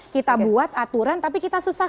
kita buat aturan tapi kita susah